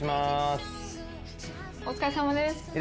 お疲れさまです。